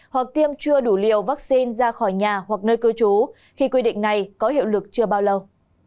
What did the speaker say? hoặc tiêm chưa đủ liều vaccine ra khỏi nhà hoặc nơi cư trú khi quy định này có hiệu lực chưa bao lâu